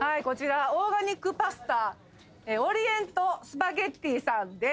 オーガニックパスタオリエントスパゲティさんです。